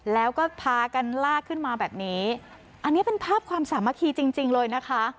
แล้วก็พากันลากขึ้นมาแบบนี้อันนี้เป็นภาพความสามัคคีจริงจริงเลยนะคะ